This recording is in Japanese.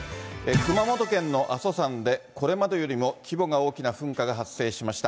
熊本県の阿蘇山で、これまでよりも規模が大きな噴火が発生しました。